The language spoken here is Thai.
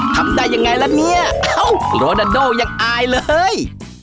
ทำได้ยังไงล่ะเนี่ยโรนาโดยังอายเลย